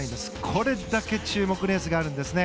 これだけ注目レースがあるんですね。